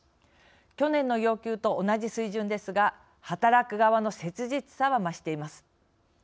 去年の要求と同じ水準ですが働く側の切実さは増しています。